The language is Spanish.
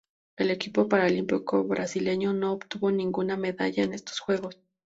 El equipo paralímpico brasileño no obtuvo ninguna medalla en estos Juegos.